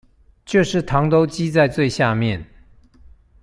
就是糖都積在最下面